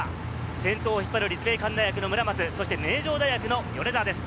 先頭を引っ張る立命館大学の村松、そして名城大学の米澤です。